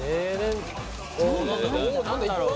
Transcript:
何だろう？